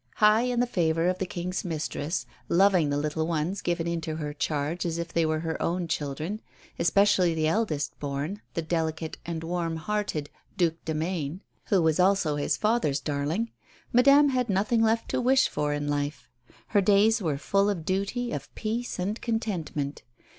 High in the favour of the King's mistress, loving the little ones given into her charge as if they were her own children, especially the eldest born, the delicate and warm hearted Duc de Maine, who was also his father's darling, Madame had nothing left to wish for in life. Her days were full of duty, of peace, and contentment.